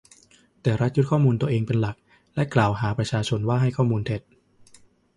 แต่รัฐยึดข้อมูลตัวเองเป็นหลักและกล่าวหาประชาชนว่าให้ข้อมูลเท็จ